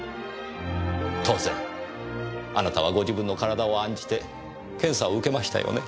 当然あなたはご自分の体を案じて検査を受けましたよね。